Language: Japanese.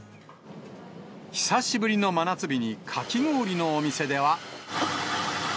久しぶりの真夏日に、かき氷のお店では。